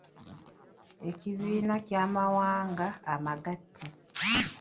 Ekibiina ky’amawanga amagatte.